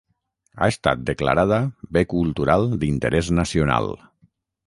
Ha estat declarada Bé Cultural d'Interès Nacional.